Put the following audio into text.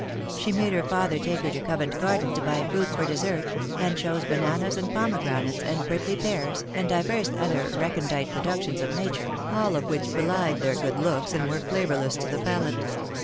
She made her father take her to Oovent Garden to buy fruit for dessert, and chose bananas and pomegranates and prickly pears, and divers other recondite productions of nature, all of which belied their good looks and were flavourless to the palate.